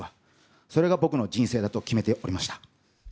それが僕の人生だと決めておりました。